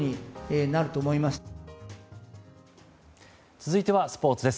続いてはスポーツです。